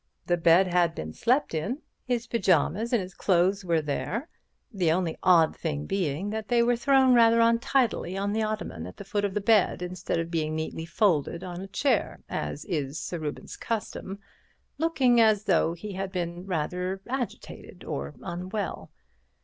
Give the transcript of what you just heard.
The bed had been slept in. His pyjamas and all his clothes were there, the only odd thing being that they were thrown rather untidily on the ottoman at the foot of the bed, instead of being neatly folded on a chair, as is Sir Reuben's custom—looking as though he had been rather agitated or unwell.